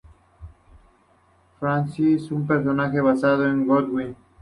Francis, un personaje basado en Godwin.